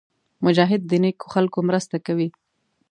مجاهد د نېکو خلکو مرسته کوي.